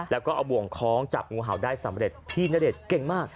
แล้วก็เอาบ่วงคล้องจับงูเห่าได้สำเร็จพี่ณเดชน์เก่งมาก